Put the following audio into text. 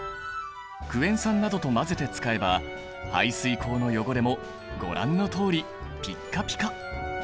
クエン酸などと混ぜて使えば排水口の汚れもご覧のとおりピッカピカ！